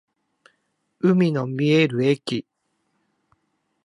海の見える駅